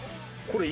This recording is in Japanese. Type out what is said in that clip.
これ。